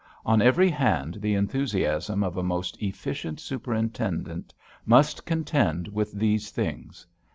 On every hand the enthusiasm of a most efficient superintendent must contend with these things.